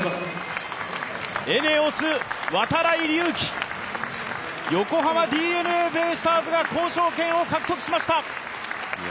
ＥＮＥＯＳ、度会隆輝、横浜ＤｅＮＡベイスターズが交渉権を獲得しました。